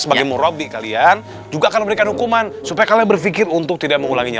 sebagai murabi kalian juga akan memberikan hukuman supaya kalian berpikir untuk tidak mengulanginya